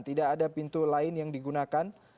tidak ada pintu lain yang digunakan